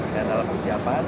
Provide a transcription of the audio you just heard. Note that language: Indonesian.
dan dalam persiapan